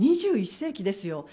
２１世紀ですよ。